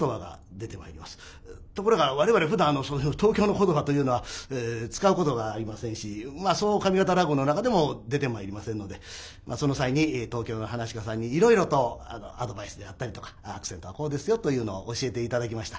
ところが我々ふだん東京の言葉というのは使うことがありませんしそう上方落語の中でも出てまいりませんのでその際に東京の噺家さんにいろいろとアドバイスであったりとかアクセントはこうですよというのを教えて頂きました。